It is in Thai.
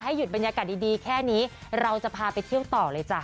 หยุดบรรยากาศดีแค่นี้เราจะพาไปเที่ยวต่อเลยจ้ะ